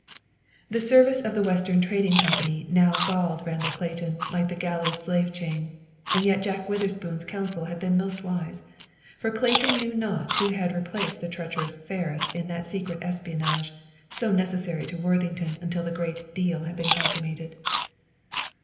The service of the Western Trading Company now galled Randall Clayton like the galley slave's chain. And yet Jack Witherspoon's counsel had been most wise. For Clayton knew not who had replaced the treacherous Ferris in that secret espionage, so necessary to Worthington until the great "deal" had been consummated.